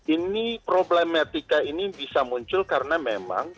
ini problematika ini bisa muncul karena memang